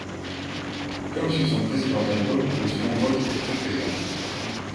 Comme sur son précédent album le son rock est très présent.